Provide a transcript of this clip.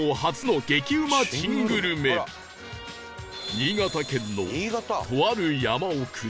新潟県のとある山奥に